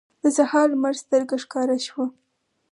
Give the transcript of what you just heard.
د سهار لمر سترګه ښکاره شوه.